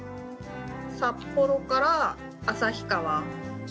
札幌から旭川。